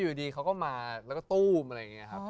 เรียบร้อยวะขับเลยดี